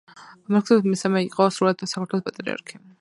მელქისედეკ მესამე იყო სრულიად საქართველოს პატრიარქი